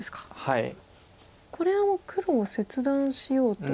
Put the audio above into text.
これは黒を切断しようと。